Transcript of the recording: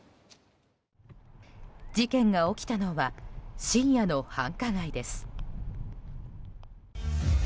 事件が起きたのは深夜の繁華街です。